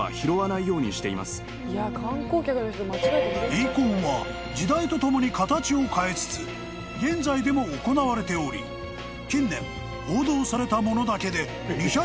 ［冥婚は時代とともに形を変えつつ現在でも行われており近年報道されたものだけで］